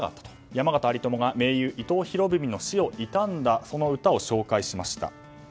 山県有朋が盟友の伊藤博文の死を悼んだ歌を紹介しました。